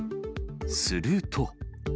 すると。